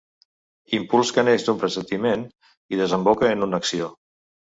Impuls que neix d'un pressentiment i desemboca en una acció.